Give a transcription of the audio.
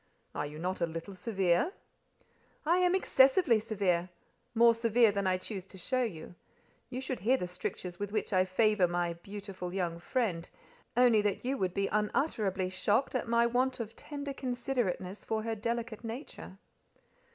"Are you not a little severe?" "I am excessively severe—more severe than I choose to show you. You should hear the strictures with which I favour my 'beautiful young friend,' only that you would be unutterably shocked at my want of tender considerateness for her delicate nature."